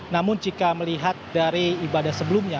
namun jika melihat dari ibadah sebelumnya